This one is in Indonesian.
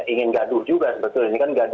ingin gaduh juga sebetulnya